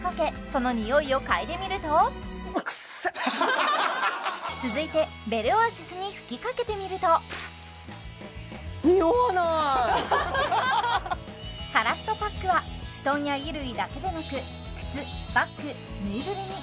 そのにおいを嗅いでみるとうわくっせハハハハ続いてベルオアシスに吹きかけてみると乾っとパックは布団や衣類だけでなく靴バッグぬいぐるみ